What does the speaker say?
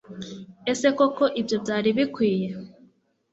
ese koko ibyo byari bikwiye